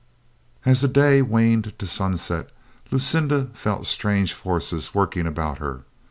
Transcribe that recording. As that day waned to sunset, Lucinda felt strange forces working about her.